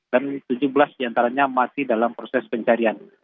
dan tujuh belas diantaranya masih dalam proses pencarian